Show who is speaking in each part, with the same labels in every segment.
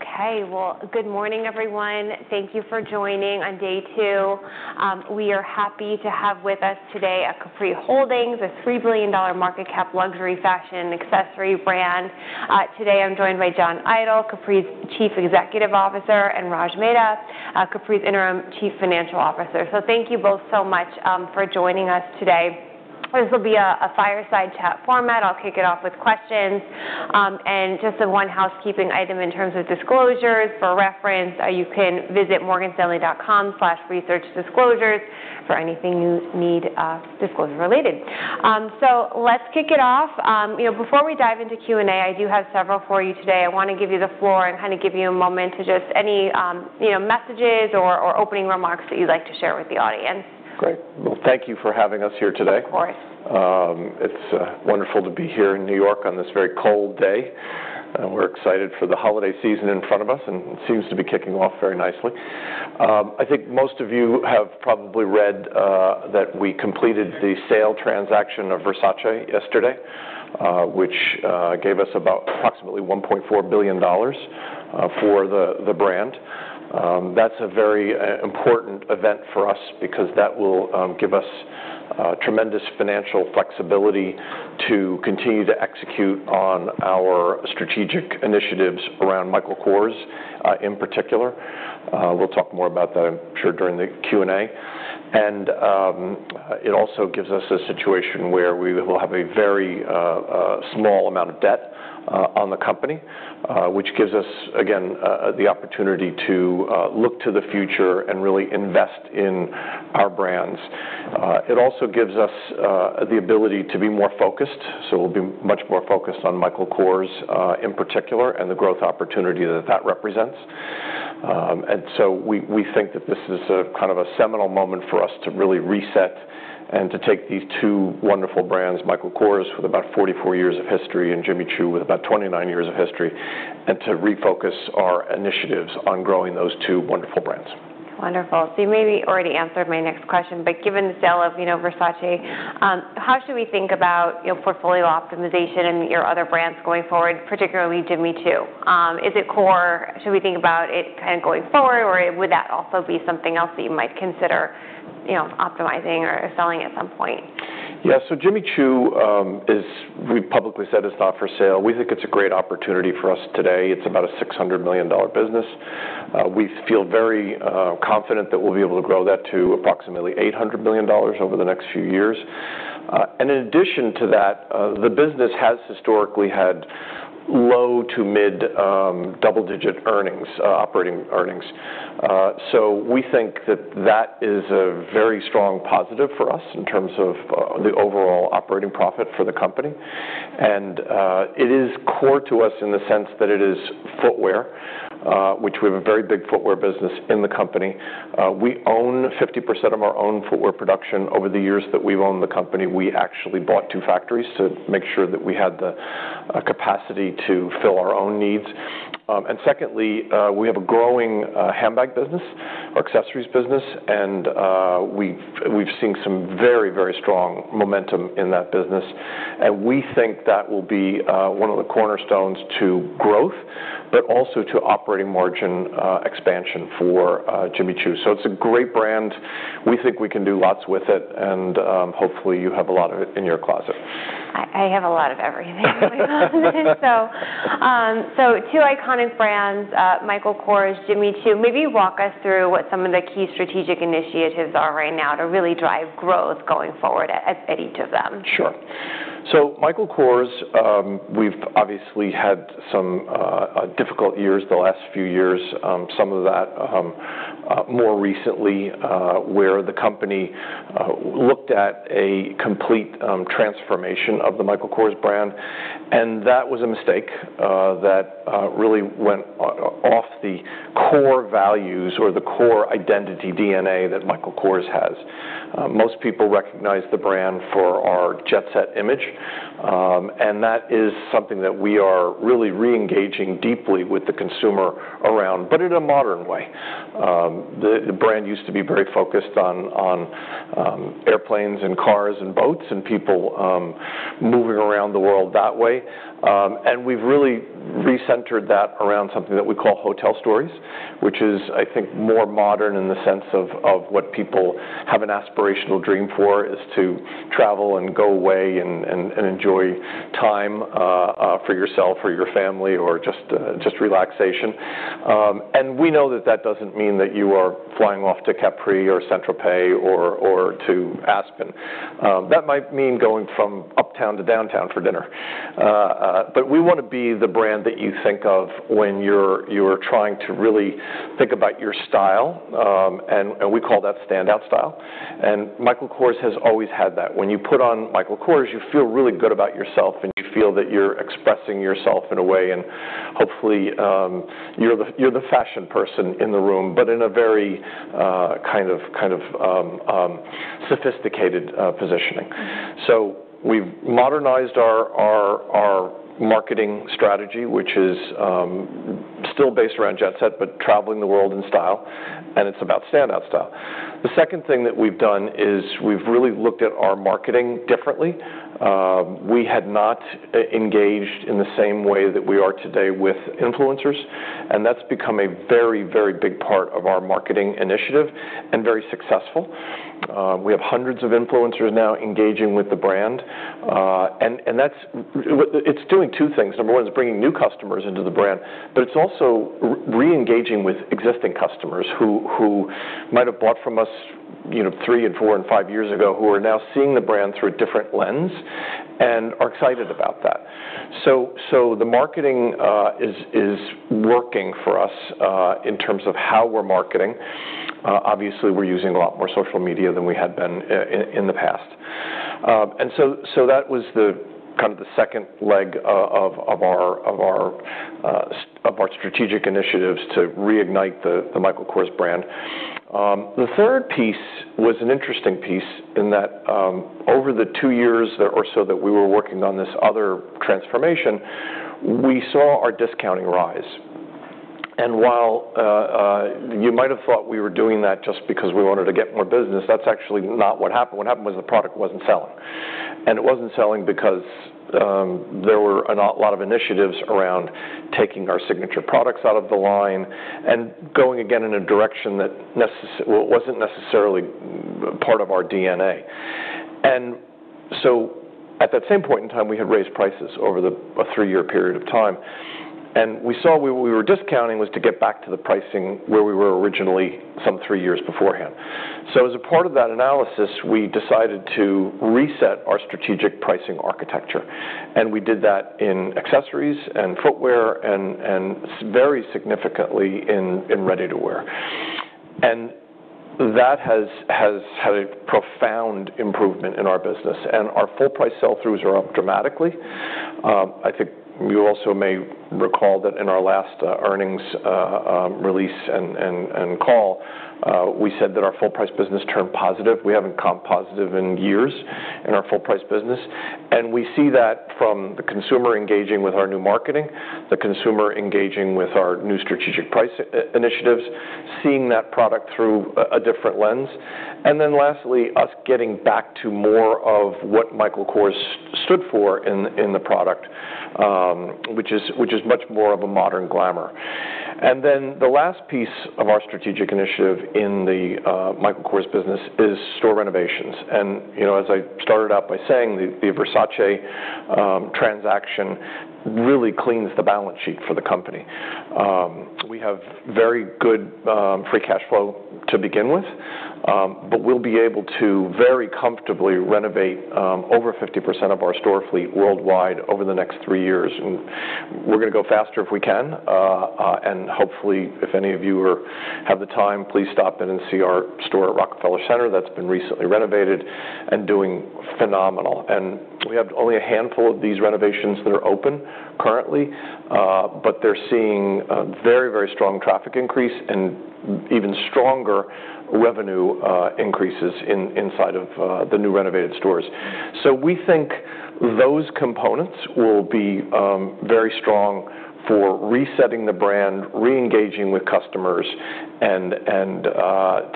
Speaker 1: Okay, well, good morning, everyone. Thank you for joining on day two. We are happy to have with us today at Capri Holdings, a $3 billion market cap luxury fashion accessory brand. Today I'm joined by John Idol, Capri's Chief Executive Officer, and Rajeev Mehta, Capri's Interim Chief Financial Officer. So thank you both so much for joining us today. This will be a fireside chat format. I'll kick it off with questions. And just a one housekeeping item in terms of disclosures for reference, you can visit morganstanley.com/researchdisclosures for anything you need disclosure related. So let's kick it off. Before we dive into Q&A, I do have several for you today. I want to give you the floor and kind of give you a moment to just any messages or opening remarks that you'd like to share with the audience.
Speaker 2: Great. Well, thank you for having us here today.
Speaker 1: Of course.
Speaker 2: It's wonderful to be here in New York on this very cold day. We're excited for the holiday season in front of us, and it seems to be kicking off very nicely. I think most of you have probably read that we completed the sale transaction of Versace yesterday, which gave us about approximately $1.4 billion for the brand. That's a very important event for us because that will give us tremendous financial flexibility to continue to execute on our strategic initiatives around Michael Kors in particular. We'll talk more about that, I'm sure, during the Q&A. And it also gives us a situation where we will have a very small amount of debt on the company, which gives us, again, the opportunity to look to the future and really invest in our brands. It also gives us the ability to be more focused. So we'll be much more focused on Michael Kors in particular and the growth opportunity that that represents. And so we think that this is kind of a seminal moment for us to really reset and to take these two wonderful brands, Michael Kors with about 44 years of history and Jimmy Choo with about 29 years of history, and to refocus our initiatives on growing those two wonderful brands.
Speaker 1: Wonderful. So you maybe already answered my next question, but given the sale of Versace, how should we think about portfolio optimization and your other brands going forward, particularly Jimmy Choo? Is it core? Should we think about it kind of going forward, or would that also be something else that you might consider optimizing or selling at some point?
Speaker 2: Yeah, so Jimmy Choo is. We've publicly said it's not for sale. We think it's a great opportunity for us today. It's about a $600 million business. We feel very confident that we'll be able to grow that to approximately $800 million over the next few years. And in addition to that, the business has historically had low to mid double-digit operating earnings. So we think that that is a very strong positive for us in terms of the overall operating profit for the company. And it is core to us in the sense that it is footwear, which we have a very big footwear business in the company. We own 50% of our own footwear production. Over the years that we've owned the company, we actually bought two factories to make sure that we had the capacity to fill our own needs. Secondly, we have a growing handbag business, our accessories business, and we've seen some very, very strong momentum in that business. We think that will be one of the cornerstones to growth, but also to operating margin expansion for Jimmy Choo. It's a great brand. We think we can do lots with it, and hopefully you have a lot of it in your closet.
Speaker 1: I have a lot of everything. So two iconic brands, Michael Kors, Jimmy Choo. Maybe you walk us through what some of the key strategic initiatives are right now to really drive growth going forward at each of them?
Speaker 2: Sure. So Michael Kors, we've obviously had some difficult years the last few years, some of that more recently where the company looked at a complete transformation of the Michael Kors brand, and that was a mistake that really went off the core values or the core identity DNA that Michael Kors has. Most people recognize the brand for our jet set image, and that is something that we are really reengaging deeply with the consumer around, but in a modern way. The brand used to be very focused on airplanes and cars and boats and people moving around the world that way, and we've really recentered that around something that we call hotel stories, which is, I think, more modern in the sense of what people have an aspirational dream for is to travel and go away and enjoy time for yourself, for your family, or just relaxation. We know that that doesn't mean that you are flying off to Capri or Saint-Tropez or to Aspen. That might mean going from uptown to downtown for dinner. We want to be the brand that you think of when you're trying to really think about your style, and we call that standout style. Michael Kors has always had that. When you put on Michael Kors, you feel really good about yourself, and you feel that you're expressing yourself in a way, and hopefully you're the fashion person in the room, but in a very kind of sophisticated positioning. We've modernized our marketing strategy, which is still based around jet set, but traveling the world in style, and it's about standout style. The second thing that we've done is we've really looked at our marketing differently. We had not engaged in the same way that we are today with influencers, and that's become a very, very big part of our marketing initiative and very successful. We have hundreds of influencers now engaging with the brand, and it's doing two things. Number one is bringing new customers into the brand, but it's also reengaging with existing customers who might have bought from us three and four and five years ago who are now seeing the brand through a different lens and are excited about that. So the marketing is working for us in terms of how we're marketing. Obviously, we're using a lot more social media than we had been in the past. And so that was kind of the second leg of our strategic initiatives to reignite the Michael Kors brand. The third piece was an interesting piece in that over the two years or so that we were working on this other transformation, we saw our discounting rise, and while you might have thought we were doing that just because we wanted to get more business, that's actually not what happened. What happened was the product wasn't selling, and it wasn't selling because there were a lot of initiatives around taking our signature products out of the line and going again in a direction that wasn't necessarily part of our DNA, and so at that same point in time, we had raised prices over a three-year period of time, and we saw where we were discounting was to get back to the pricing where we were originally some three years beforehand, so as a part of that analysis, we decided to reset our strategic pricing architecture. We did that in accessories and footwear and very significantly in ready-to-wear. That has had a profound improvement in our business. Our full price sell-throughs are up dramatically. I think you also may recall that in our last earnings release and call, we said that our full price business turned positive. We haven't come positive in years in our full price business. We see that from the consumer engaging with our new marketing, the consumer engaging with our new strategic price initiatives, seeing that product through a different lens. Lastly, us getting back to more of what Michael Kors stood for in the product, which is much more of a modern glamour. The last piece of our strategic initiative in the Michael Kors business is store renovations. And as I started out by saying, the Versace transaction really cleans the balance sheet for the company. We have very good free cash flow to begin with, but we'll be able to very comfortably renovate over 50% of our store fleet worldwide over the next three years. And we're going to go faster if we can. And hopefully, if any of you have the time, please stop in and see our store at Rockefeller Center that's been recently renovated and doing phenomenal. And we have only a handful of these renovations that are open currently, but they're seeing very, very strong traffic increase and even stronger revenue increases inside of the new renovated stores. So we think those components will be very strong for resetting the brand, reengaging with customers, and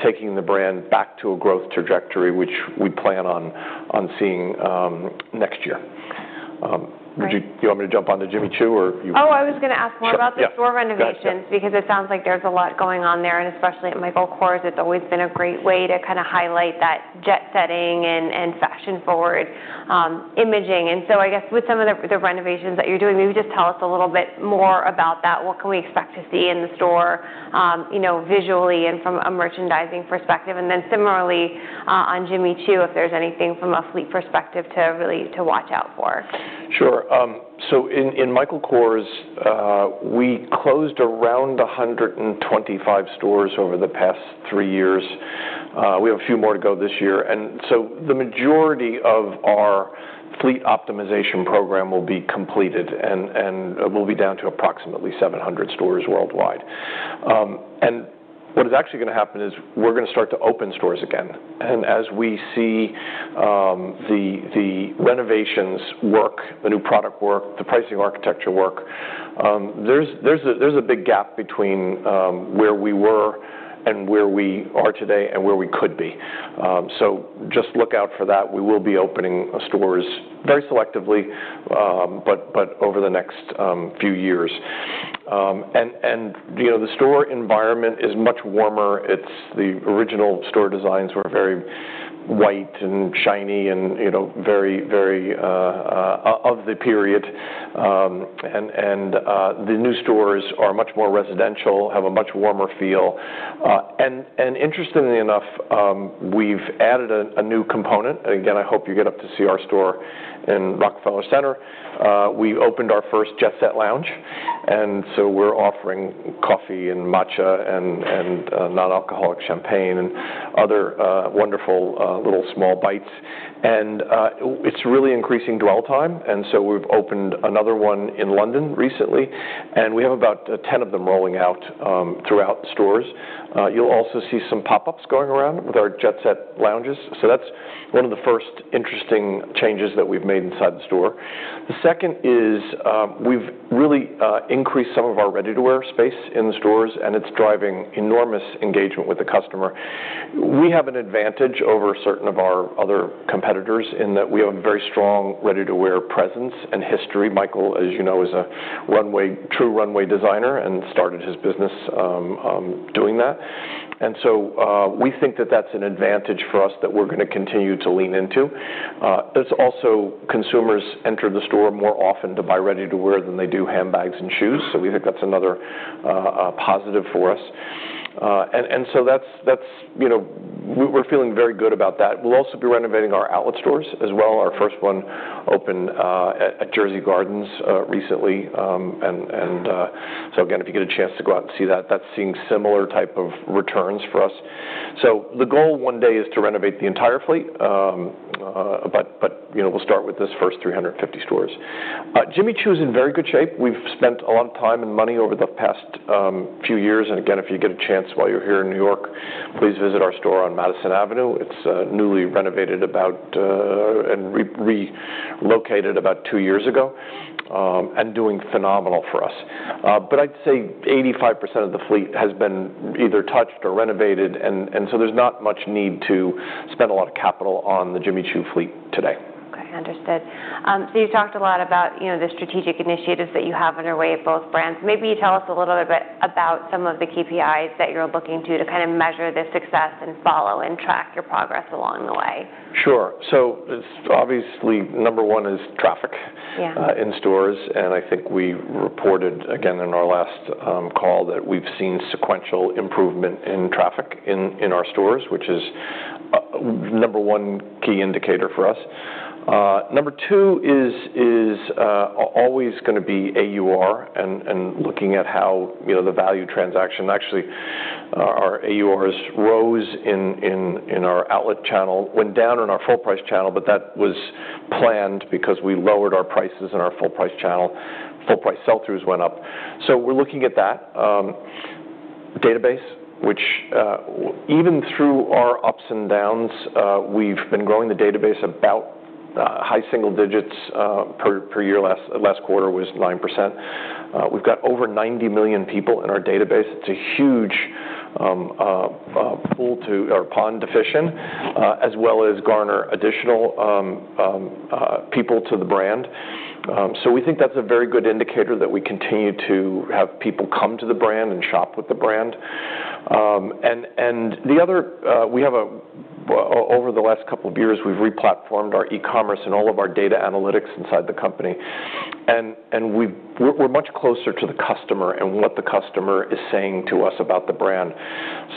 Speaker 2: taking the brand back to a growth trajectory, which we plan on seeing next year. Do you want me to jump on to Jimmy Choo or you?
Speaker 1: Oh, I was going to ask more about the store renovations because it sounds like there's a lot going on there. And especially at Michael Kors, it's always been a great way to kind of highlight that jet setting and fashion-forward image. And so I guess with some of the renovations that you're doing, maybe just tell us a little bit more about that. What can we expect to see in the store visually and from a merchandising perspective? And then similarly on Jimmy Choo, if there's anything from a fleet perspective to really watch out for.
Speaker 2: Sure, so in Michael Kors, we closed around 125 stores over the past three years. We have a few more to go this year, and so the majority of our fleet optimization program will be completed, and we'll be down to approximately 700 stores worldwide, and what is actually going to happen is we're going to start to open stores again, and as we see the renovations work, the new product work, the pricing architecture work, there's a big gap between where we were and where we are today and where we could be, so just look out for that. We will be opening stores very selectively, but over the next few years, and the store environment is much warmer. The original store designs were very white and shiny and very, very of the period, and the new stores are much more residential, have a much warmer feel. And interestingly enough, we've added a new component. Again, I hope you get up to see our store in Rockefeller Center. We opened our first Jet Set lounge. And so we're offering coffee and matcha and non-alcoholic champagne and other wonderful little small bites. And it's really increasing dwell time. And so we've opened another one in London recently. And we have about 10 of them rolling out throughout stores. You'll also see some pop-ups going around with our Jet Set lounges. So that's one of the first interesting changes that we've made inside the store. The second is we've really increased some of our ready-to-wear space in the stores, and it's driving enormous engagement with the customer. We have an advantage over certain of our other competitors in that we have a very strong ready-to-wear presence and history. Michael, as you know, is a true runway designer and started his business doing that. And so we think that that's an advantage for us that we're going to continue to lean into. It's also consumers enter the store more often to buy ready-to-wear than they do handbags and shoes. So we think that's another positive for us. And so we're feeling very good about that. We'll also be renovating our outlet stores as well. Our first one opened at Jersey Gardens recently. And so again, if you get a chance to go out and see that, that's seeing similar type of returns for us. So the goal one day is to renovate the entire fleet, but we'll start with this first 350 stores. Jimmy Choo is in very good shape. We've spent a lot of time and money over the past few years. And again, if you get a chance while you're here in New York, please visit our store on Madison Avenue. It's newly renovated and relocated about two years ago and doing phenomenal for us. But I'd say 85% of the fleet has been either touched or renovated. And so there's not much need to spend a lot of capital on the Jimmy Choo fleet today.
Speaker 1: Okay. Understood. So you talked a lot about the strategic initiatives that you have underway at both brands. Maybe you tell us a little bit about some of the KPIs that you're looking to kind of measure the success and follow and track your progress along the way?
Speaker 2: Sure. So obviously, number one is traffic in stores. And I think we reported, again, in our last call that we've seen sequential improvement in traffic in our stores, which is number one key indicator for us. Number two is always going to be AUR and looking at how the value transaction. Actually, our AURs rose in our outlet channel, went down in our full price channel, but that was planned because we lowered our prices in our full price channel. Full price sell-throughs went up. So we're looking at that database, which even through our ups and downs, we've been growing the database about high single digits per year. Last quarter was 9%. We've got over 90 million people in our database. It's a huge pool to our pond to fish in, as well as garner additional people to the brand. So we think that's a very good indicator that we continue to have people come to the brand and shop with the brand. And we have, over the last couple of years, we've replatformed our e-commerce and all of our data analytics inside the company. And we're much closer to the customer and what the customer is saying to us about the brand.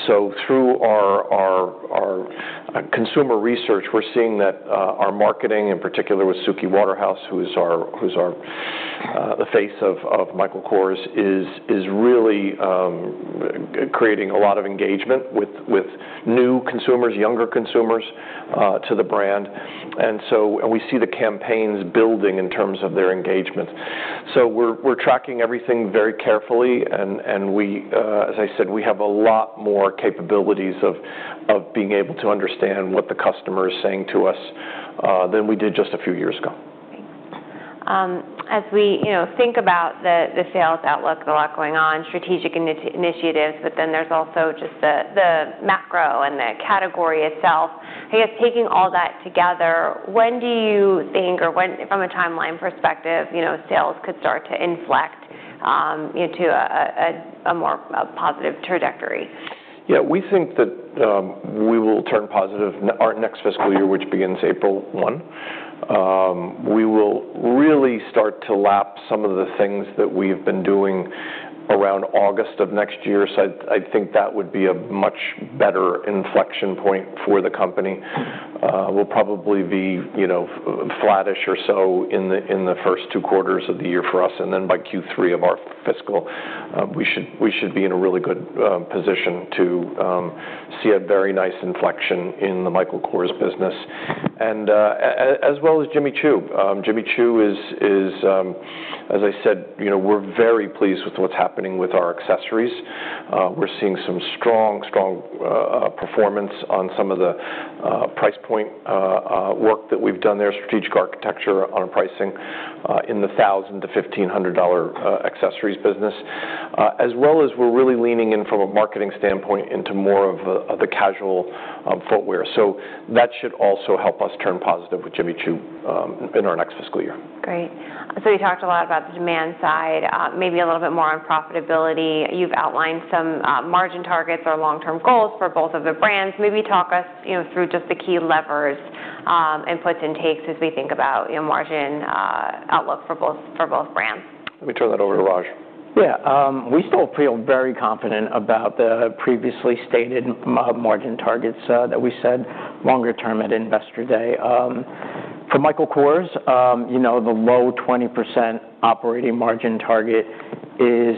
Speaker 2: So through our consumer research, we're seeing that our marketing, in particular with Suki Waterhouse, who's the face of Michael Kors, is really creating a lot of engagement with new consumers, younger consumers to the brand. And we see the campaigns building in terms of their engagement. So we're tracking everything very carefully. And as I said, we have a lot more capabilities of being able to understand what the customer is saying to us than we did just a few years ago.
Speaker 1: Thanks. As we think about the sales outlook, a lot going on, strategic initiatives, but then there's also just the macro and the category itself. I guess taking all that together, when do you think, or from a timeline perspective, sales could start to inflect to a more positive trajectory?
Speaker 2: Yeah. We think that we will turn positive our next fiscal year, which begins April 1. We will really start to lap some of the things that we've been doing around August of next year. So I think that would be a much better inflection point for the company. We'll probably be flattish or so in the first two quarters of the year for us. And then by Q3 of our fiscal, we should be in a really good position to see a very nice inflection in the Michael Kors business, as well as Jimmy Choo. Jimmy Choo is, as I said, we're very pleased with what's happening with our accessories. We're seeing some strong, strong performance on some of the price point work that we've done there, strategic architecture on pricing in the $1,000 to $1,500 accessories business, as well as we're really leaning in from a marketing standpoint into more of the casual footwear. So that should also help us turn positive with Jimmy Choo in our next fiscal year.
Speaker 1: Great. So we talked a lot about the demand side, maybe a little bit more on profitability. You've outlined some margin targets or long-term goals for both of the brands. Maybe talk us through just the key levers, inputs, and takes as we think about margin outlook for both brands.
Speaker 2: Let me turn that over to Raj.
Speaker 3: Yeah. We still feel very confident about the previously stated margin targets that we set longer term at Investor Day. For Michael Kors, the low 20% operating margin target is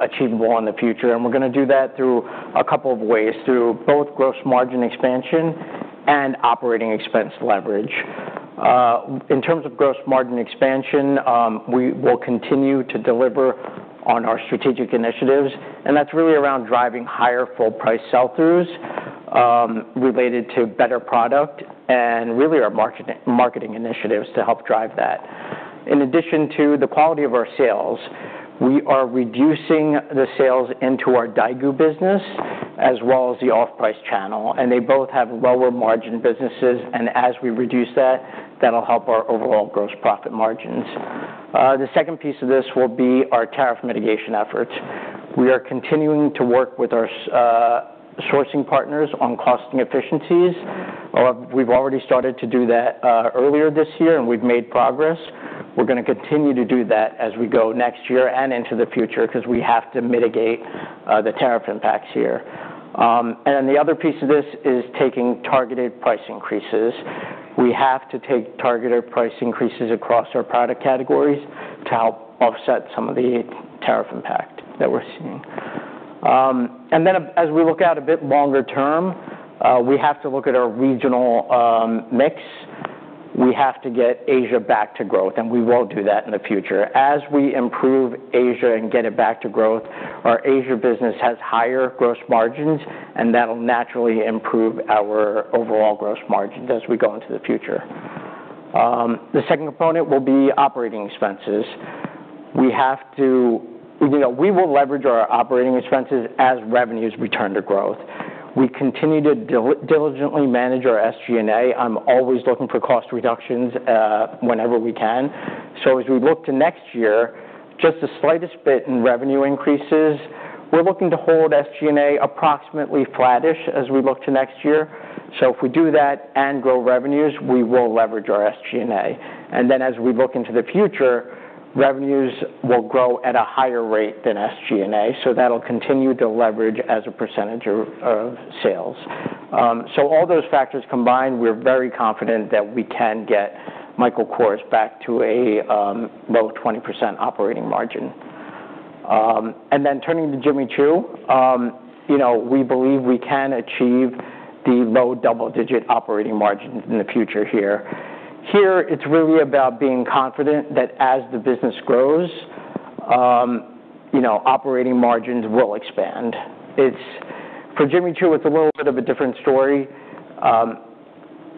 Speaker 3: achievable in the future, and we're going to do that through a couple of ways, through both gross margin expansion and operating expense leverage. In terms of gross margin expansion, we will continue to deliver on our strategic initiatives, and that's really around driving higher full price sell-throughs related to better product and really our marketing initiatives to help drive that. In addition to the quality of our sales, we are reducing the sales into our Suki Waterhouse business as well as the off-price channel, and they both have lower margin businesses, and as we reduce that, that'll help our overall gross profit margins. The second piece of this will be our tariff mitigation efforts. We are continuing to work with our sourcing partners on costing efficiencies. We've already started to do that earlier this year, and we've made progress. We're going to continue to do that as we go next year and into the future because we have to mitigate the tariff impacts here, and then the other piece of this is taking targeted price increases. We have to take targeted price increases across our product categories to help offset some of the tariff impact that we're seeing, and then as we look out a bit longer term, we have to look at our regional mix. We have to get Asia back to growth, and we will do that in the future. As we improve Asia and get it back to growth, our Asia business has higher gross margins, and that'll naturally improve our overall gross margins as we go into the future. The second component will be operating expenses. We will leverage our operating expenses as revenues return to growth. We continue to diligently manage our SG&A. I'm always looking for cost reductions whenever we can, so as we look to next year, just the slightest bit in revenue increases, we're looking to hold SG&A approximately flattish as we look to next year, so if we do that and grow revenues, we will leverage our SG&A, and then as we look into the future, revenues will grow at a higher rate than SG&A, so that'll continue to leverage as a percentage of sales, so all those factors combined, we're very confident that we can get Michael Kors back to a low 20% operating margin, and then turning to Jimmy Choo, we believe we can achieve the low double-digit operating margins in the future here. Here, it's really about being confident that as the business grows, operating margins will expand. For Jimmy Choo, it's a little bit of a different story.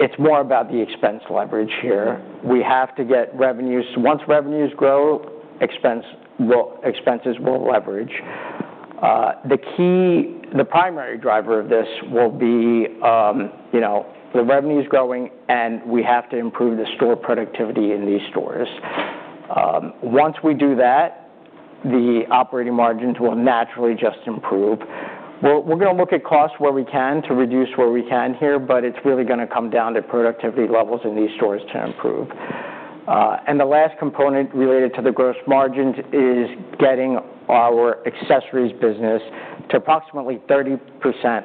Speaker 3: It's more about the expense leverage here. We have to get revenues. Once revenues grow, expenses will leverage. The primary driver of this will be the revenues growing, and we have to improve the store productivity in these stores. Once we do that, the operating margins will naturally just improve. We're going to look at costs where we can to reduce where we can here, but it's really going to come down to productivity levels in these stores to improve. And the last component related to the gross margins is getting our accessories business to approximately 30%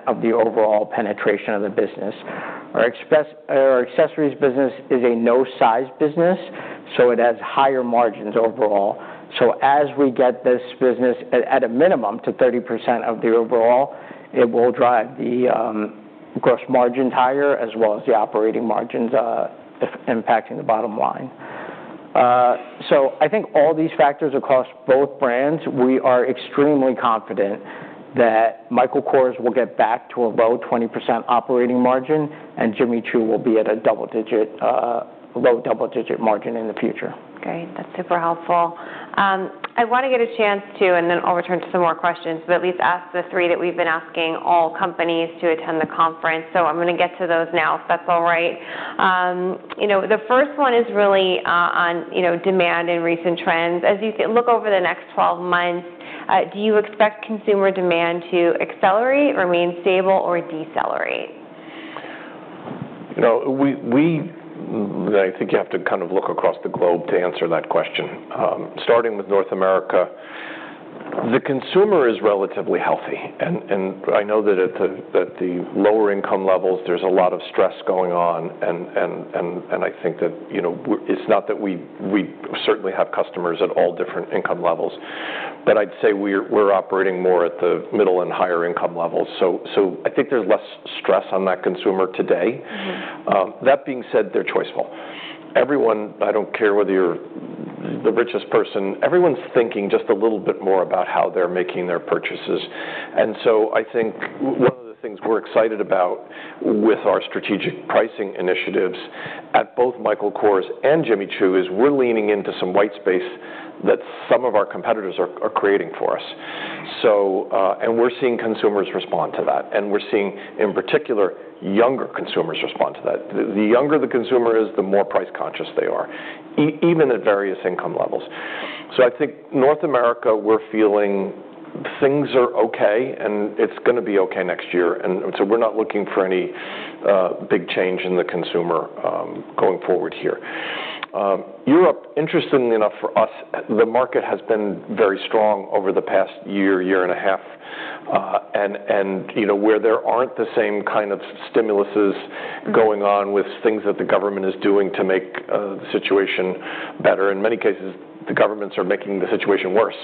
Speaker 3: of the overall penetration of the business. Our accessories business is a no-size business, so it has higher margins overall. So as we get this business at a minimum to 30% of the overall, it will drive the gross margins higher, as well as the operating margins impacting the bottom line. So I think all these factors across both brands, we are extremely confident that Michael Kors will get back to a low 20% operating margin, and Jimmy Choo will be at a low double-digit margin in the future.
Speaker 1: Great. That's super helpful. I want to get a chance to, and then I'll return to some more questions, but at least ask the three that we've been asking all companies to attend the conference. So I'm going to get to those now, if that's all right. The first one is really on demand and recent trends. As you look over the next 12 months, do you expect consumer demand to accelerate, remain stable, or decelerate?
Speaker 2: I think you have to kind of look across the globe to answer that question. Starting with North America, the consumer is relatively healthy, and I know that at the lower income levels, there's a lot of stress going on, and I think that it's not that we certainly have customers at all different income levels, but I'd say we're operating more at the middle and higher income levels, so I think there's less stress on that consumer today. That being said, they're choiceful. Everyone, I don't care whether you're the richest person, everyone's thinking just a little bit more about how they're making their purchases, and so I think one of the things we're excited about with our strategic pricing initiatives at both Michael Kors and Jimmy Choo is we're leaning into some white space that some of our competitors are creating for us. And we're seeing consumers respond to that. And we're seeing, in particular, younger consumers respond to that. The younger the consumer is, the more price conscious they are, even at various income levels. So I think North America, we're feeling things are okay, and it's going to be okay next year. And so we're not looking for any big change in the consumer going forward here. Europe, interestingly enough for us, the market has been very strong over the past year, year and a half. And where there aren't the same kind of stimulus going on with things that the government is doing to make the situation better, in many cases, the governments are making the situation worse.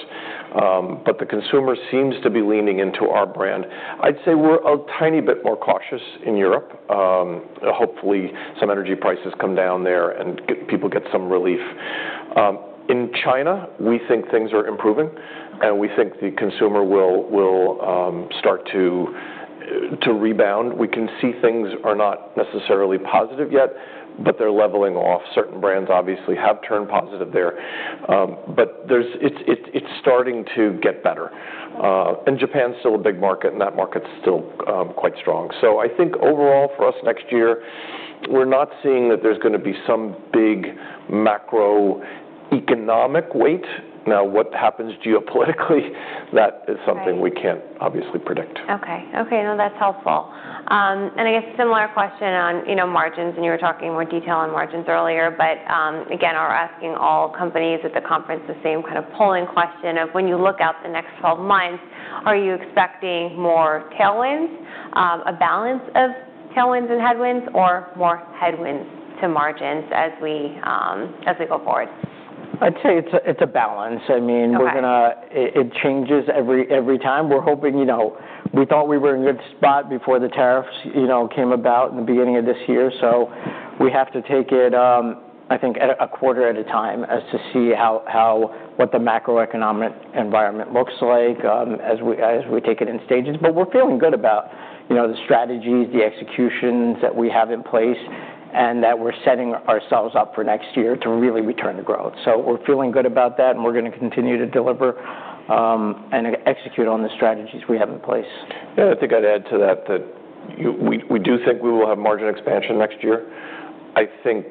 Speaker 2: But the consumer seems to be leaning into our brand. I'd say we're a tiny bit more cautious in Europe. Hopefully, some energy prices come down there and people get some relief. In China, we think things are improving, and we think the consumer will start to rebound. We can see things are not necessarily positive yet, but they're leveling off. Certain brands obviously have turned positive there, but it's starting to get better, and Japan's still a big market, and that market's still quite strong, so I think overall for us next year, we're not seeing that there's going to be some big macroeconomic weight. Now, what happens geopolitically, that is something we can't obviously predict.
Speaker 1: Okay. Okay. No, that's helpful. And I guess a similar question on margins, and you were talking more detail on margins earlier. But again, we're asking all companies at the conference the same kind of polling question of when you look over the next 12 months, are you expecting more tailwinds, a balance of tailwinds and headwinds, or more headwinds to margins as we go forward?
Speaker 3: I'd say it's a balance. I mean, it changes every time. We thought we were in a good spot before the tariffs came about in the beginning of this year. So we have to take it, I think, a quarter at a time as to see what the macroeconomic environment looks like as we take it in stages. But we're feeling good about the strategies, the executions that we have in place, and that we're setting ourselves up for next year to really return to growth. So we're feeling good about that, and we're going to continue to deliver and execute on the strategies we have in place.
Speaker 2: Yeah. I think I'd add to that that we do think we will have margin expansion next year. I think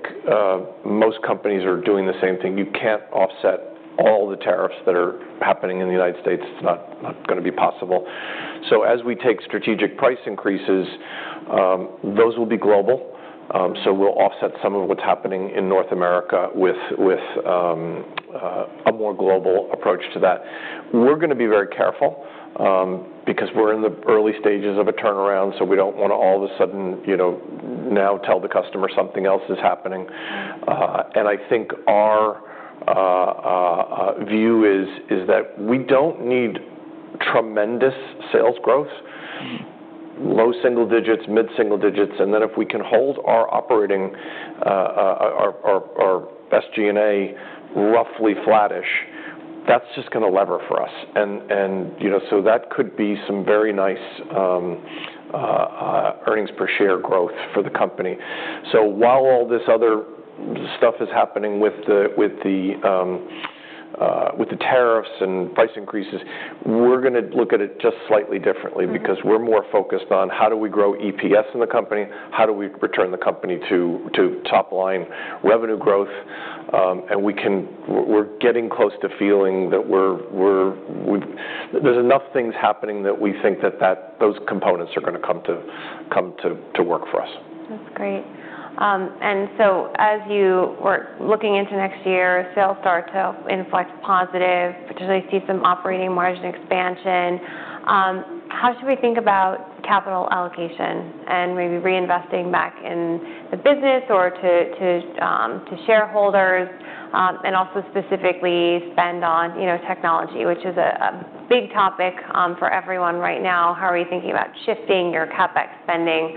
Speaker 2: most companies are doing the same thing. You can't offset all the tariffs that are happening in the United States. It's not going to be possible. So as we take strategic price increases, those will be global. So we'll offset some of what's happening in North America with a more global approach to that. We're going to be very careful because we're in the early stages of a turnaround. So we don't want to all of a sudden now tell the customer something else is happening. And I think our view is that we don't need tremendous sales growth, low single digits, mid-single digits. And then if we can hold our SG&A roughly flattish, that's just going to lever for us. And so that could be some very nice earnings per share growth for the company. So while all this other stuff is happening with the tariffs and price increases, we're going to look at it just slightly differently because we're more focused on how do we grow EPS in the company, how do we return the company to top-line revenue growth. And we're getting close to feeling that there's enough things happening that we think that those components are going to come to work for us.
Speaker 1: That's great. And so as you were looking into next year, sales start to inflect positive, potentially see some operating margin expansion. How should we think about capital allocation and maybe reinvesting back in the business or to shareholders and also specifically spend on technology, which is a big topic for everyone right now? How are you thinking about shifting your CapEx spending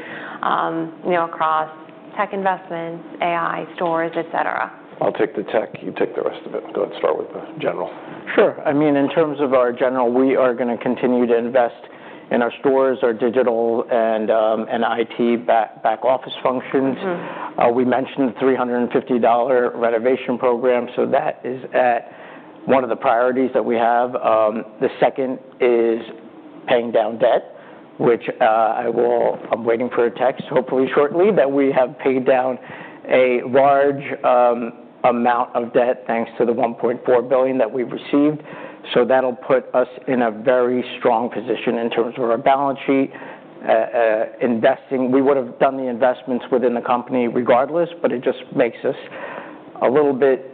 Speaker 1: across tech investments, AI stores, etc.?
Speaker 2: I'll take the tech. You take the rest of it. Go ahead and start with the general.
Speaker 3: Sure. I mean, in terms of our general, we are going to continue to invest in our stores, our digital, and IT back office functions. We mentioned the $350 renovation program. So that is one of the priorities that we have. The second is paying down debt, which I'm waiting for a text, hopefully shortly, that we have paid down a large amount of debt thanks to the $1.4 billion that we've received. So that'll put us in a very strong position in terms of our balance sheet. We would have done the investments within the company regardless, but it just makes us a little bit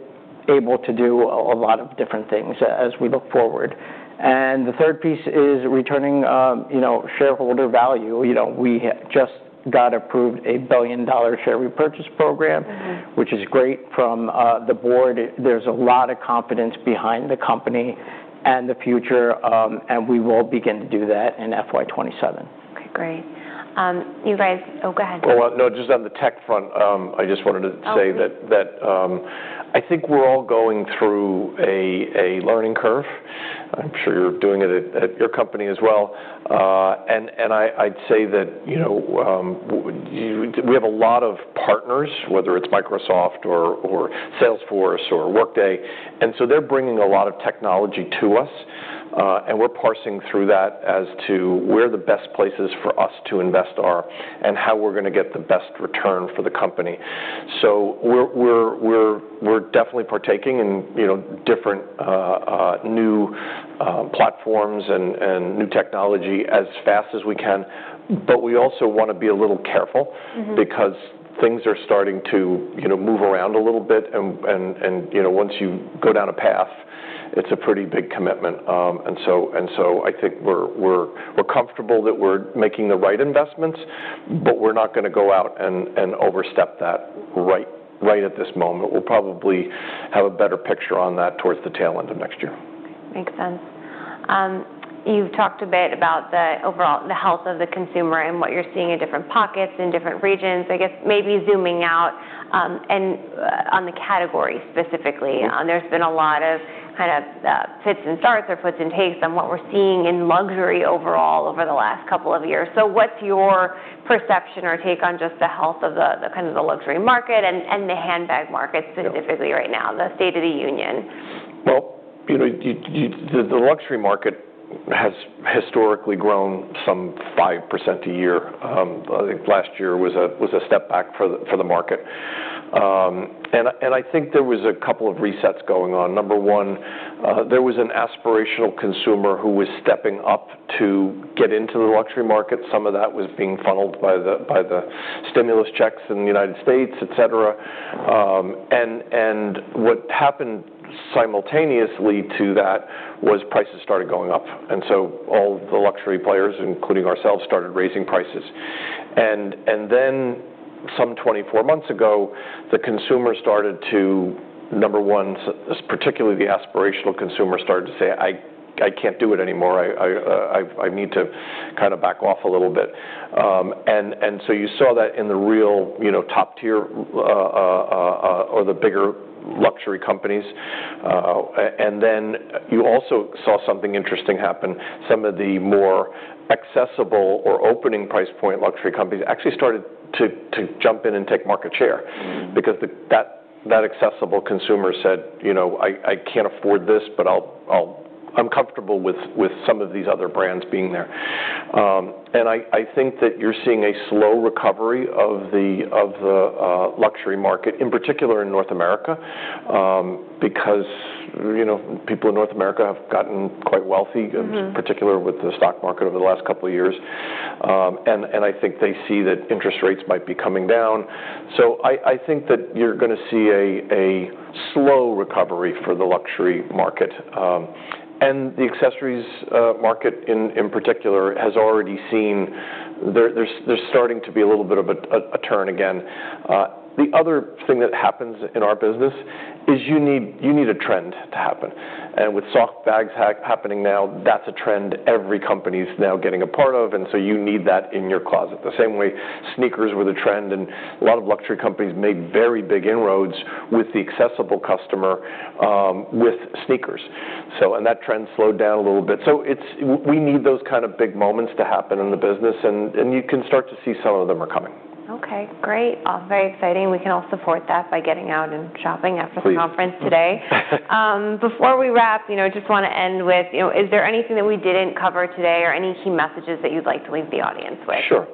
Speaker 3: able to do a lot of different things as we look forward. And the third piece is returning shareholder value. We just got approved a billion-dollar share repurchase program, which is great from the board. There's a lot of confidence behind the company and the future, and we will begin to do that in FY 2027.
Speaker 1: Okay. Great. You guys, oh, go ahead.
Speaker 2: Well, no, just on the tech front, I just wanted to say that I think we're all going through a learning curve. I'm sure you're doing it at your company as well. And I'd say that we have a lot of partners, whether it's Microsoft or Salesforce or Workday. And so they're bringing a lot of technology to us, and we're parsing through that as to where the best places for us to invest are and how we're going to get the best return for the company. So we're definitely partaking in different new platforms and new technology as fast as we can. But we also want to be a little careful because things are starting to move around a little bit. And once you go down a path, it's a pretty big commitment. And so I think we're comfortable that we're making the right investments, but we're not going to go out and overstep that right at this moment. We'll probably have a better picture on that towards the tail end of next year.
Speaker 1: Makes sense. You've talked a bit about the health of the consumer and what you're seeing in different pockets in different regions. I guess maybe zooming out on the category specifically, there's been a lot of kind of fits and starts or fits and starts on what we're seeing in luxury overall over the last couple of years. So what's your perception or take on just the health of kind of the luxury market and the handbag market specifically right now, the State of the Union?
Speaker 2: The luxury market has historically grown some 5% a year. I think last year was a step back for the market, and I think there was a couple of resets going on. Number one, there was an aspirational consumer who was stepping up to get into the luxury market. Some of that was being funneled by the stimulus checks in the United States, etc. What happened simultaneously to that was prices started going up, so all the luxury players, including ourselves, started raising prices. Then some 24 months ago, the consumer started to, number one, particularly the aspirational consumer started to say, "I can't do it anymore. I need to kind of back off a little bit." You saw that in the real top tier or the bigger luxury companies. You also saw something interesting happen. Some of the more accessible or opening price point luxury companies actually started to jump in and take market share because that accessible consumer said, "I can't afford this, but I'm comfortable with some of these other brands being there." And I think that you're seeing a slow recovery of the luxury market, in particular in North America, because people in North America have gotten quite wealthy, in particular with the stock market over the last couple of years. And I think they see that interest rates might be coming down. So I think that you're going to see a slow recovery for the luxury market. And the accessories market in particular has already seen there's starting to be a little bit of a turn again. The other thing that happens in our business is you need a trend to happen. And with soft bags happening now, that's a trend every company is now getting a part of. And so you need that in your closet. The same way sneakers were the trend. And a lot of luxury companies made very big inroads with the accessible customer with sneakers. And that trend slowed down a little bit. So we need those kind of big moments to happen in the business. And you can start to see some of them are coming.
Speaker 1: Okay. Great. Very exciting. We can all support that by getting out and shopping after the conference today. Before we wrap, I just want to end with, is there anything that we didn't cover today or any key messages that you'd like to leave the audience with?
Speaker 2: Sure.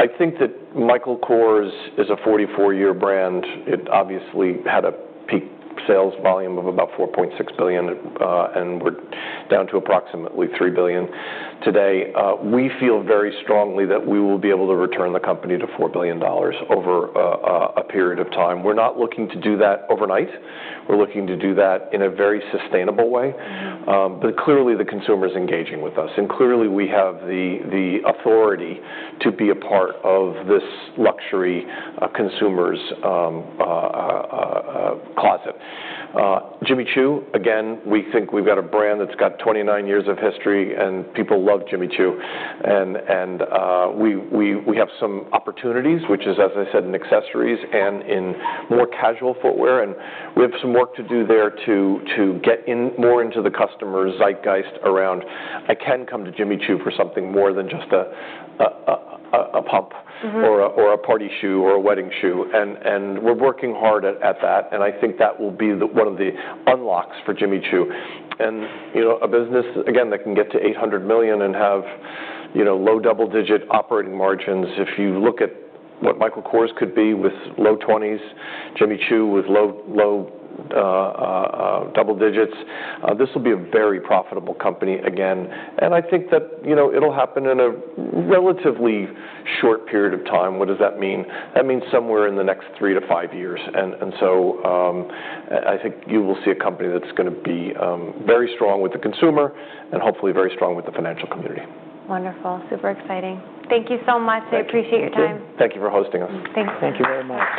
Speaker 2: I think that Michael Kors is a 44-year brand. It obviously had a peak sales volume of about $4.6 billion, and we're down to approximately $3 billion today. We feel very strongly that we will be able to return the company to $4 billion over a period of time. We're not looking to do that overnight. We're looking to do that in a very sustainable way. But clearly, the consumer is engaging with us. And clearly, we have the authority to be a part of this luxury consumer's closet. Jimmy Choo, again, we think we've got a brand that's got 29 years of history, and people love Jimmy Choo. And we have some opportunities, which is, as I said, in accessories and in more casual footwear. And we have some work to do there to get more into the customer's zeitgeist around, "I can come to Jimmy Choo for something more than just a pump or a party shoe or a wedding shoe." And we're working hard at that. And I think that will be one of the unlocks for Jimmy Choo. And a business, again, that can get to $800 million and have low double-digit operating margins, if you look at what Michael Kors could be with low 20s, Jimmy Choo with low double digits, this will be a very profitable company again. And I think that it'll happen in a relatively short period of time. What does that mean? That means somewhere in the next three to five years. I think you will see a company that's going to be very strong with the consumer and hopefully very strong with the financial community.
Speaker 1: Wonderful. Super exciting. Thank you so much. I appreciate your time.
Speaker 2: Thank you. Thank you for hosting us.
Speaker 1: Thank you.
Speaker 3: Thank you very much.